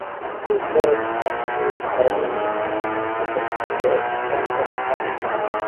He served as Minister in at various point of time.